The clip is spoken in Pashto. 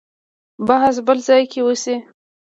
بحث بل ځای کې وشي.